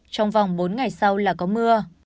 trong vòng bốn ngày sau là có mưa